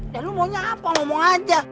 ya lu maunya apa ngomong aja